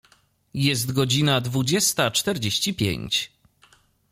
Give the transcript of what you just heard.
Jest godzina dwudziesta czterdzieści pięć.